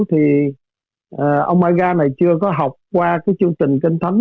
thì ông maga này chưa có học qua cái chương trình kinh thánh